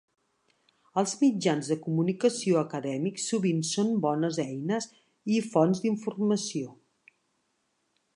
Els mitjans de comunicació acadèmics sovint són bones eines i fonts d'informació.